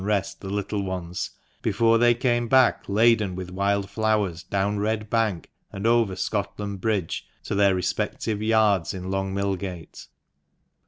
3 rest the little ones, before they came back laden with wild flowers down Red Bank and over Scotland Bridge, to their respective "yards" in Long Millgate.